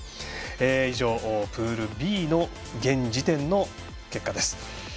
以上、プールＢの現時点の結果です。